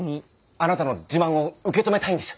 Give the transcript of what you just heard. あなたの自慢を受け止めたいんです！